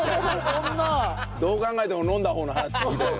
どう考えても飲んだ方の話聞きたいよ。